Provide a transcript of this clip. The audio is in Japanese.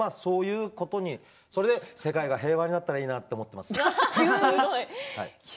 それで世界が平和になったらいいなと思っています。